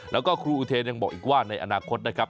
แล้วก็ครูอุเทนยังบอกอีกว่าในอนาคตนะครับ